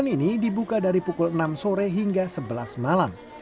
jalan ini dibuka dari pukul enam sore hingga sebelas malam